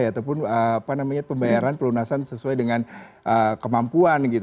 ataupun pembayaran perlunasan sesuai dengan kemampuan